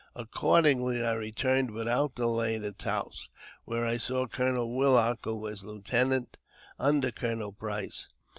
Accordingly, I returned without delay to Taos, where I saw Colonel Willock, who was lieu tenant under Colonel Price.